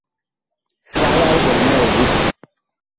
Sal a liɓɔŋ nɛ ɔ di.